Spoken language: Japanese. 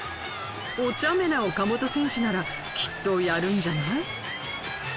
おちゃめな岡本選手ならきっとやるんじゃない？